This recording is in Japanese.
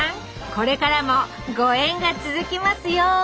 これからもご縁が続きますように！